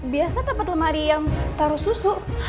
biasa dapat lemari yang taruh susu